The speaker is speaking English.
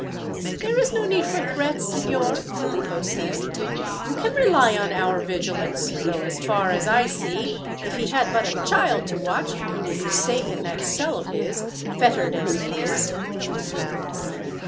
"There is no need for threats, signor," Philippo said. "You can rely on our vigilance, though, as far as I see, if he had but a child to watch him he would be safe in that cell of his, fettered as he is."